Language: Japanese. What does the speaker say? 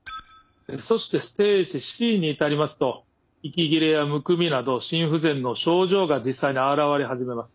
そしてステージＣに至りますと息切れやむくみなど心不全の症状が実際に現れ始めます。